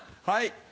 はい。